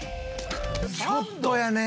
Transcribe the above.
ちょっとやねえ。